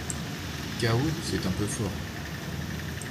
Chaos, c’est un peu fort.